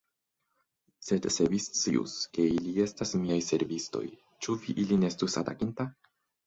Sed se vi scius, ke ili estas miaj servistoj, ĉu vi ilin estus atakinta?